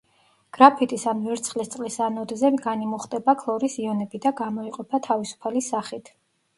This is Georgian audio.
გრაფიტის ან ვერცხლისწყლის ანოდზე განიმუხტება ქლორის იონები და გამოიყოფა თავისუფალი სახით.